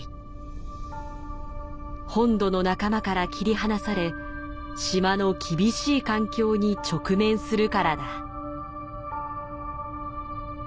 本土の仲間から切り離され島の厳しい環境に直面するからだ。